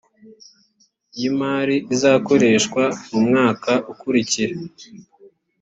y imari izakoreshwa mu mwaka ukurikira